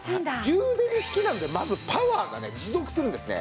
充電式なのでまずパワーがね持続するんですね。